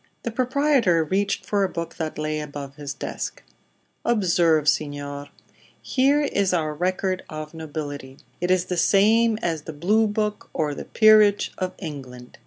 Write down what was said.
The proprietor reached for a book that lay above his desk. "Observe, signor. Here is our record of nobility. It is the same as the 'Blue Book' or the 'Peerage' of England.